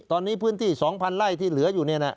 ตอนนี้พื้นที่๒๐๐ไร่ที่เหลืออยู่